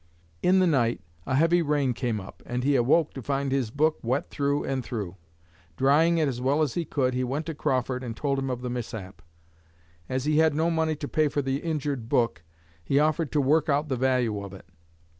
In the night a heavy rain came up and he awoke to find his book wet through and through. Drying it as well as he could, he went to Crawford and told him of the mishap. As he had no money to pay for the injured book, he offered to work out the value of it.